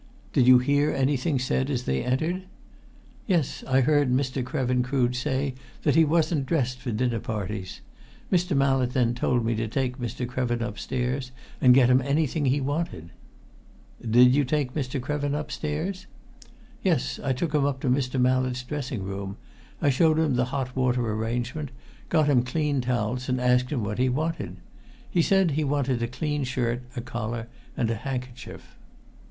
"Did you hear anything said as they entered?" "Yes, I heard Mr. Krevin Crood say that he wasn't dressed for dinner parties. Mr. Mallett then told me to take Mr. Krevin upstairs and get him anything he wanted." "Did you take Mr. Krevin upstairs?" "Yes. I took him up to Mr. Mallett's dressing room. I showed him the hot water arrangement, got him clean towels, and asked him what he wanted. He said he wanted a clean shirt, a collar, and a handkerchief."